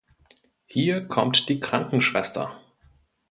Hier kommt die Krankenschwester.